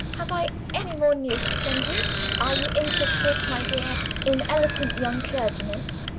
"Have I any more news to send you? Are you interested, my dear, in eloquent young clergymen?